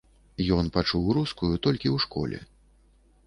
Ён пачуў рускую толькі ў школе.